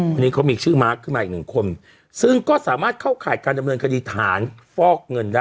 วันนี้เขามีชื่อมาร์คขึ้นมาอีกหนึ่งคนซึ่งก็สามารถเข้าข่ายการดำเนินคดีฐานฟอกเงินได้